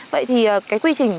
vậy thì cái quy trình